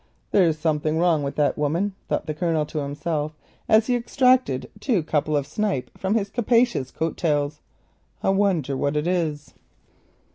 "There's something wrong with that woman," thought the Colonel to himself as he extracted two couple of snipe from his capacious coat tails. "I wonder what it is."